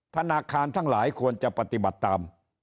ธนาคารทั้งหลายควรจะปฏิบัติตาม